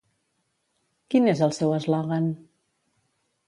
Quin és el seu eslògan?